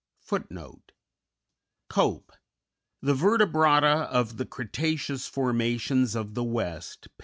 _Cope: "The Vertebrata of the Cretaceous Formations of the West," p.